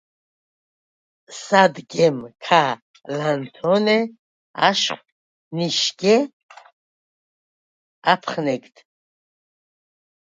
სადგემ ქა ლანთონე აშხვ ნიშგე აფხნეგდ: